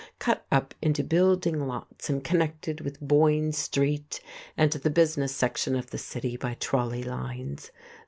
cut up into building lots and connected with Boyne Street and the business section of the city by trolley lines.